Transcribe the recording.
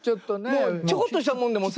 もうちょこっとしたもんでも。